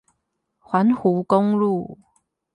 環湖公路